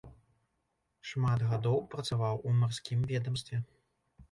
Шмат гадоў працаваў у марскім ведамстве.